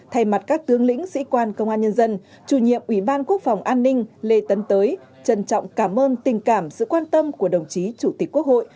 thay mặt các tướng lĩnh sĩ quan công an nhân dân chủ nhiệm ủy ban quốc phòng an ninh lê tấn tới trân trọng cảm ơn tình cảm sự quan tâm của đồng chí chủ tịch quốc hội